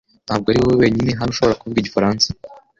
Ntabwo ari wowe wenyine hano ushobora kuvuga igifaransa